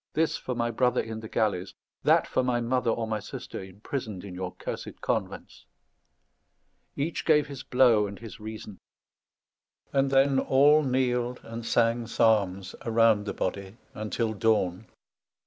This for my brother in the galleys. That for my mother or my sister imprisoned in your cursed convents." Each gave his blow and his reason; and then all kneeled and sang psalms around the body till the dawn.